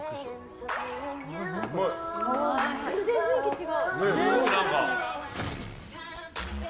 全然雰囲気違う。